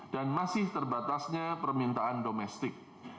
dan masih terbatasnya permintaan domestik